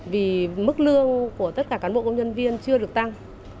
vì mức lương của tất cả cán bộ công nhân viên chưa được tăng